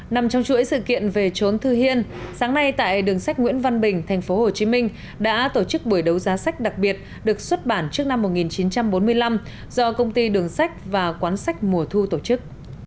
nằm trong chuỗi sự kiện về trốn thư hiên sáng nay tại đường sách nguyễn văn bình tp hcm đã tổ chức buổi đấu giá sách đặc biệt được xuất bản trước năm một nghìn chín trăm bốn mươi năm do công ty đường sách và quán sách mùa thu tổ chức